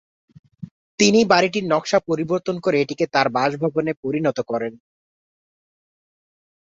তিনি বাড়িটির নকশা পরিবর্তন করে এটিকে তার বাসভবনে পরিণত করেন।